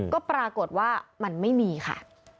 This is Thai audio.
ก็ปรากฏว่ามันไม่มีค่ะ